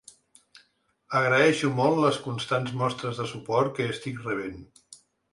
Agreixo molt les constants mostres de suport que estic rebent.